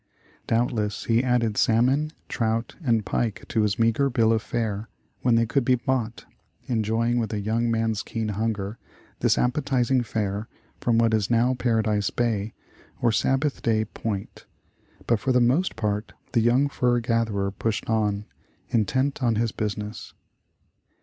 Doubtless he added salmon, trout, and pike to his meagre bill of fare when they could be caught, enjoy ing, with a young man's keen hunger, this appetizing fare from what is now Paradise Bay, or Sabbath Day Point. But for the most part the young fur gatherer pushed on, intent on his business.